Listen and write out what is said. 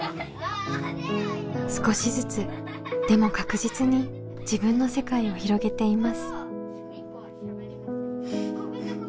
少しずつでも確実に自分の世界を広げています。